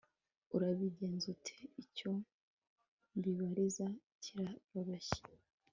urabigenza ute? icyo mbibariza kiroroshye